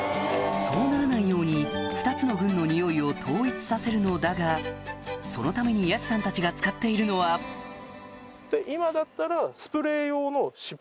そうならないように２つの群のにおいを統一させるのだがそのために安士さんたちが使っているのは今だったら。